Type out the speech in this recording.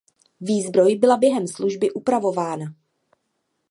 Výzbroj byla během služby upravována.